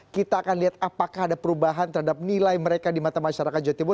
kita akan lihat apakah ada perubahan terhadap nilai mereka di mata masyarakat jawa timur